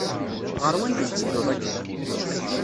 Ɣer wanda i tettedduḍ akka?